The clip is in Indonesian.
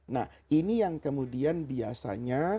nah ini yang kemudian biasanya